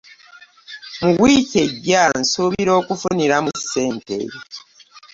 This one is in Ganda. Mu wiiki ejja nsuubira okufuniramu ssente.